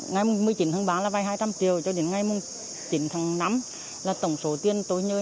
ngày một mươi chín tháng ba là vai hai trăm linh triệu cho đến ngày một mươi chín tháng năm là tổng số tiền tôi nhớ